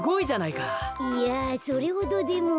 いやそれほどでも。